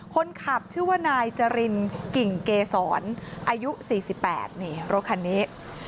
คนขับชื่อว่านายจรินกิ่งเกศรอายุ๔๘นี่รถคันนี้